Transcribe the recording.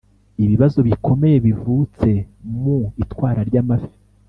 Ibibazo bikomeye bivutse mu itwara ry amafi